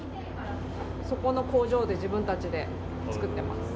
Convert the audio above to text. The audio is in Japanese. そこの工場で自分たちで作ってます。